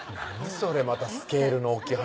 それまたスケールの大きい話